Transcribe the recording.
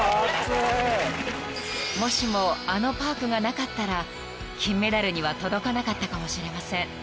［もしもあのパークがなかったら金メダルには届かなかったかもしれません］